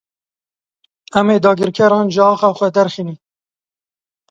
Em ê dagirkeran ji axa xwe derxînin.